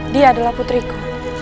dia adalah putriku